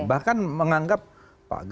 oke jangan melakukan negatif campaign ya